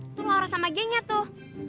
itu laura sama gengnya tuh